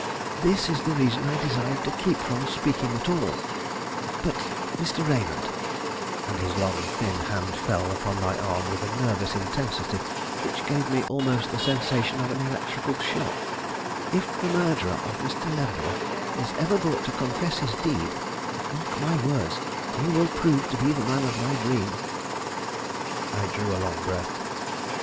This is the reason I desired to keep from speaking at all; but, Mr. Raymond," and his long, thin hand fell upon my arm with a nervous intensity which gave me almost the sensation of an electrical shock, "if the murderer of Mr. Leavenworth is ever brought to confess his deed, mark my words, he will prove to be the man of my dream." I drew a long breath.